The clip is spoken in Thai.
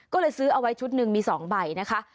ก็เลยซื้อเอาไว้ชุดหนึ่งมี๒ใบนะคะ